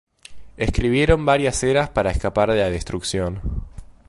Escribieron varias Eras para escapar de la destrucción.